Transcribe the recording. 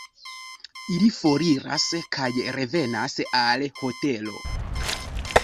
Ili foriras kaj revenas al hotelo.